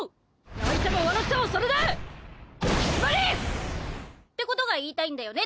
泣いても笑ってもそれで決まり！ってことが言いたいんだよね？